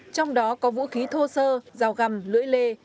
trong đó có vũ khí thô sơ dao găm lưỡi lê